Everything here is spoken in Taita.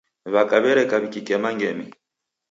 W'aka w'ereka w'ikikema ngemi.